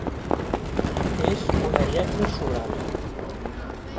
És una lletra solar.